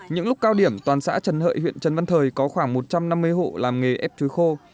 những lúc cao điểm toàn xã trần hợi huyện trần văn thời có khoảng một trăm năm mươi hộ làm nghề ép chuối khô